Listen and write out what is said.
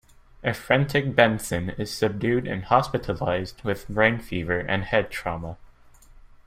A frantic Benson is subdued and hospitalized with "brain fever" and head trauma.